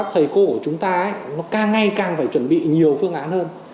để chuẩn bị nhiều phương án hơn